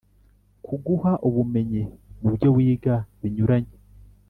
kuguha ubumenyi mu byo wiga binyuranye